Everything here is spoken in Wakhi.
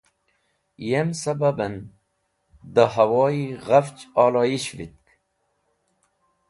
Yem sabab en, dẽ hawoi ghafch oloyisht vitk.